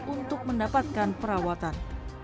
untuk mendapatkan perawatan